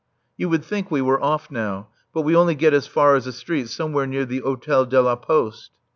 You would think we were off now. But we only get as far as a street somewhere near the Hôtel de la Poste.